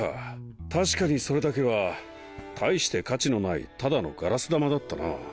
確かにそれだけは大して価値のないただのガラス玉だったなぁ。